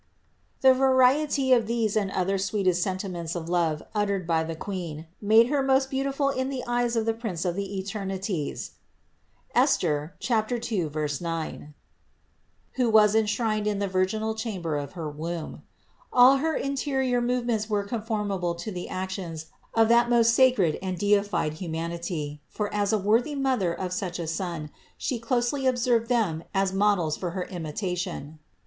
444. The variety of these and other sweetest senti ments of love uttered by the Queen made Her most beau tiful in the eyes (Esth. 2, 9) of the Prince of the eterni ties, who was enshrined in the virginal chamber of her womb. All her interior movements were conformable to the actions of that most sacred and deified Humanity; for as a worthy Mother of such a Son She closely ob 370 CITY OF GOD served them as models for her imitation.